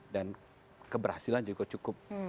dan keberhasilan juga cukup